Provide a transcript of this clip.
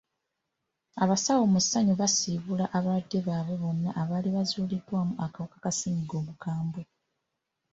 Abasawo mu ssanyu baasiibula abalwadde baabwe bonna abaali baazuulibwa n'akawuka ka ssennyiga omukambwe.